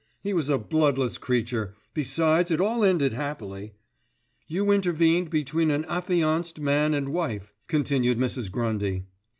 He was a bloodless creature; besides it all ended happily." "You intervened between an affianced man and wife," continued Mrs. Grundy.